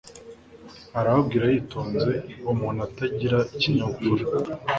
Arababwira yitonze uburyo umuntu atagira ikinyabupfura